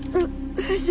大丈夫。